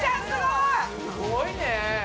すごいね！